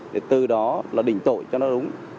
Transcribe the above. để từ đó là định tội cho nó đúng